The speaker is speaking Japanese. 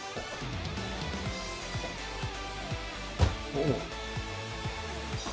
おお。